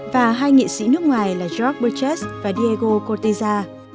và hai nghệ sĩ nước ngoài là george burchess và diego corteza